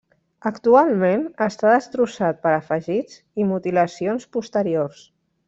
Actualment està destrossat per afegits i mutilacions posteriors.